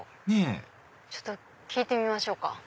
ねぇちょっと聞いてみましょうか。